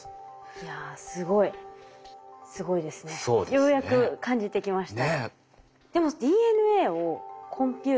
ようやく感じてきました。